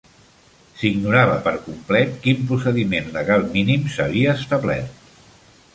S'ignorava per complet quin procediment legal mínim s'havia establert.